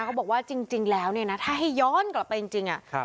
เขาบอกว่าจริงแล้วถ้าย้อนกลับไปจริง